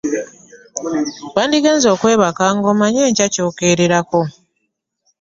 Wandigenze okwebaka nga omanyi enkya ky'okeererako.